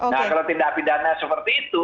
nah kalau tindak pidana seperti itu